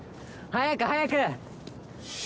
早く、早く！